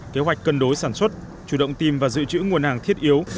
kế hoạch cân đối sản xuất chủ động tìm và dự trữ nguồn hàng thiết yếu